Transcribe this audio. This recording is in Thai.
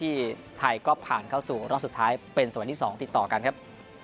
ที่ไทยก็ผ่านเข้าสู่รอบสุดท้ายเป็นสมัยที่๒ติดต่อกันครับ